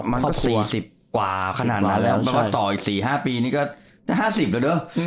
มันก็๔๐กว่าขนาดนั้นแล้วต่ออีก๔๕ปีนี่ก็๕๐แล้วเด้อ